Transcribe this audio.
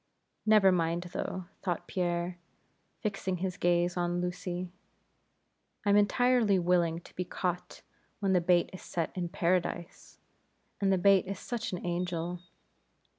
Never mind though thought Pierre, fixing his gaze on Lucy I'm entirely willing to be caught, when the bait is set in Paradise, and the bait is such an angel.